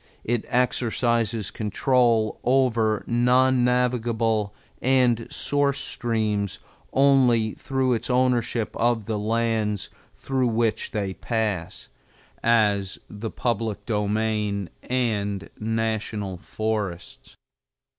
It exercises control over non navigable and source streams only through its ownership of the lands through which they pass, as the public domain and National Forests.